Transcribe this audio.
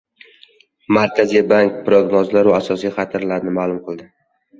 Markaziy bank prognozlar va asosiy xatarlarni ma’lum qildi